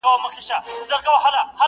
خدای مهربان دی دا روژه په ما تولو ارزي,